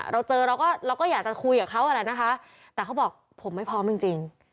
เราเจอเราก็เราก็อยากจะคุยกับเขาแหละนะคะแต่เขาบอกผมไม่พร้อมจริง